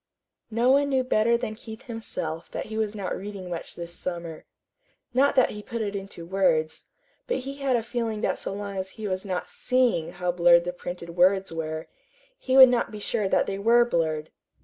No one knew better than Keith himself that he was not reading much this summer. Not that he put it into words, but he had a feeling that so long as he was not SEEING how blurred the printed words were, he would not be sure that they were blurred.